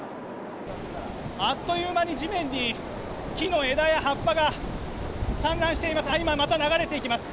あっという間に地面に木の枝や葉っぱが散乱しています。